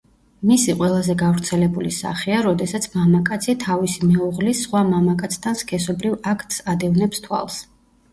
მისი ყველაზე გავრცელებული სახეა, როდესაც მამაკაცი თავისი მეუღლის სხვა მამაკაცთან სქესობრივ აქტს ადევნებს თვალს.